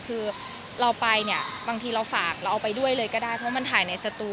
คือเราไปเนี่ยบางทีเราฝากเราเอาไปด้วยเลยก็ได้เพราะมันถ่ายในสตู